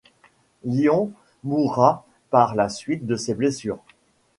Lyons mourra par la suite de ses blessures.